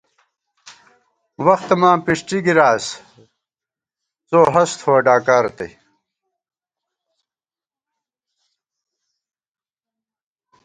وختہ ماں پِݭٹی گِراس ، څو ہَس تھووَہ ڈاکا رتئ